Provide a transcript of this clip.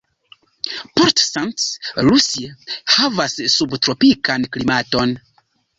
Port St. Lucie havas subtropikan klimaton.